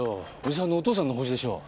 叔父さんのお父さんの法事でしょう。